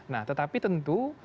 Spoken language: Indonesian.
nah tetapi tentu